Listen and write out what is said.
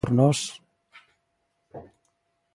Por nós.